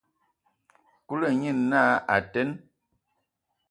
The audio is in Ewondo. Kulu nye naa: A teen!